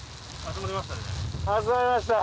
集まりましたね。